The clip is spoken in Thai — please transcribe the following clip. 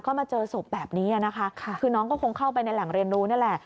ก็มาเจอศพแบบนี้นะคะคือน้องก็คงเข้าไปในแหล่งเรียนรู้นี่แหละ